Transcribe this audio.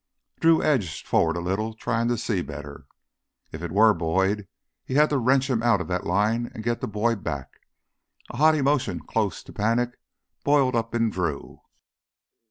Drew edged forward a little, trying to see better. If it were Boyd, he had to wrench him out of that line and get the boy back. A hot emotion close to panic boiled up in Drew.